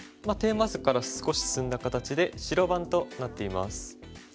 テーマ図から少し進んだ形で白番となっています。